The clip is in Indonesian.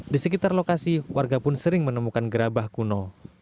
di sekitar lokasi warga pun sering menemukan gerabah kuno